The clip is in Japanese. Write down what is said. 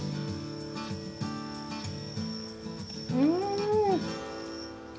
うん！